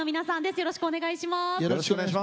よろしくお願いします。